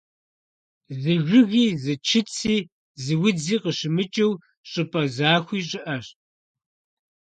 Зы жыги, зы чыци, зы удзи къыщымыкӀыу щӀыпӀэ захуи щыӀэщ.